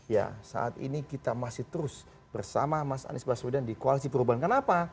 ya saat ini kita masih terus bersama mas anies baswedan di koalisi perubahan kenapa